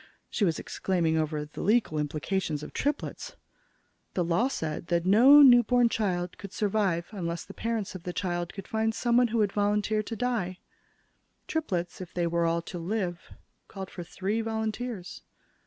She was exclaiming over the legal implications of triplets. The law said that no newborn child could survive unless the parents of the child could find someone who would volunteer to die. Triplets, if they were all to live, called for three volunteers.